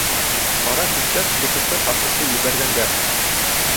Ҡара көстәр сихырсы ҡарсыҡты ебәргәндәр!